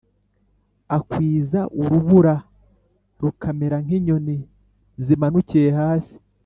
Akwiza urubura, rukamera nk’inyoni zimanukiye hasi,